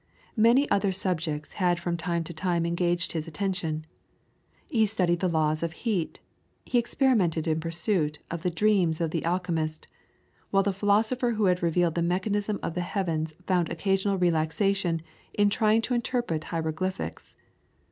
Many other subjects had from time to time engaged his attention. He studied the laws of heat; he experimented in pursuit of the dreams of the Alchymist; while the philosopher who had revealed the mechanism of the heavens found occasional relaxation in trying to interpret hieroglyphics.